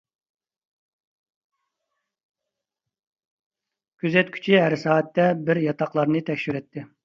كۆزەتكۈچى ھەر سائەتتە بىر ياتاقلارنى تەكشۈرەتتى.